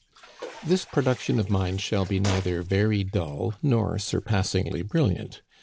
This production of mine shall be neither very dull nor surpassingly brilliant.